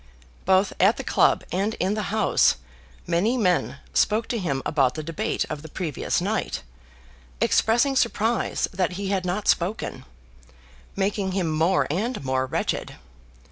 Both at the club and in the House many men spoke to him about the debate of the previous night, expressing surprise that he had not spoken, making him more and more wretched.